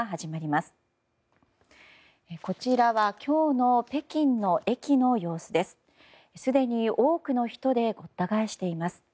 すでに多くの人でごった返しています。